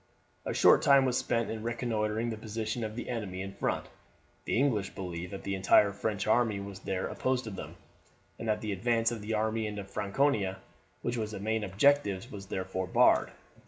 A short time was spent in reconnoitring the position of the enemy in front. The English believed that the entire French army was there opposed to them, and that the advance of the army into Franconia, which was its main objective was therefore barred.